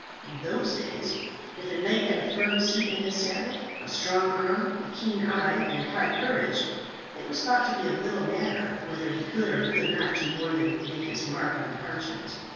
In those days if a knight had a firm seat in his saddle, a strong arm, a keen eye, and high courage, it was thought to be of little matter whether he could or could not do more than make his mark on the parchment.